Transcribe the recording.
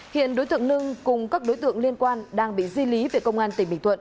hiện đối tượng nưng cùng các đối tượng liên quan đang bị di lý về công an tỉnh bình thuận